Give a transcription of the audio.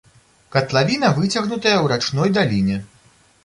Катлавіна выцягнутая ў рачной даліне.